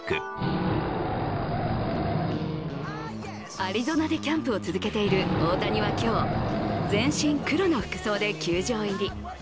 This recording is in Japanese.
アリゾナでキャンプを続けている大谷は今日、全身黒の服装で球場入り。